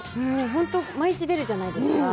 本当、毎日出るじゃないですか。